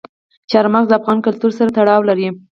چار مغز د افغان کلتور سره تړاو لري.